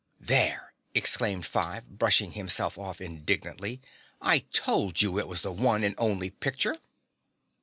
'" "There!" exclaimed Five, brushing himself off indignantly. "I told you it was the one and only picture."